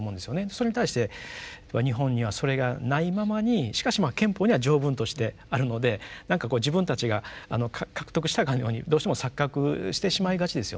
それに対して日本にはそれがないままにしかしまあ憲法には条文としてあるので何かこう自分たちが獲得したかのようにどうしても錯覚してしまいがちですよね。